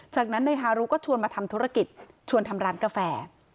จากนั้นนายฮารุก็ชวนมาทำธุรกิจชวนทำร้านกาแฟ